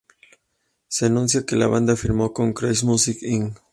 Se anunció que la banda firmó con Crash Music Inc.